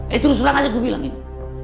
eh terus terang aja gue bilang ini